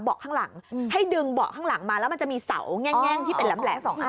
ข้างหลังให้ดึงเบาะข้างหลังมาแล้วมันจะมีเสาแง่งที่เป็นแหลมสองข้าง